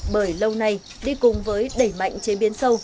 bởi lâu nay đi cùng với đẩy mạnh chế biến sâu